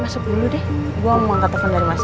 masuk dulu deh gue mau angkat telepon dari masa